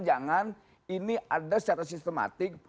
jangan ini ada secara sistematik